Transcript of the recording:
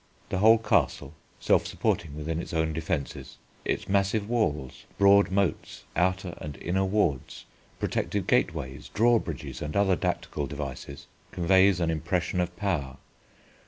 The whole castle, self supporting within its own defences, its massive walls, broad moats, outer and inner wards, protected gateways, drawbridges and other tactical devices, conveys an impression of power.